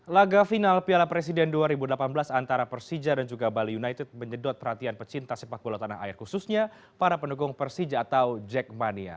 laga final piala presiden dua ribu delapan belas antara persija dan juga bali united menyedot perhatian pecinta sepak bola tanah air khususnya para pendukung persija atau jackmania